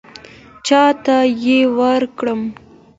چاته یې ورکړم.